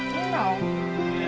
federa tanpa kita